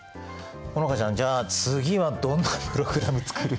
好花ちゃんじゃあ次はどんなプログラム作る？